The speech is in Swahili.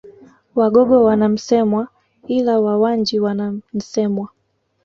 Wagogo wana Msemwa ila Wawanji wana Nsemwa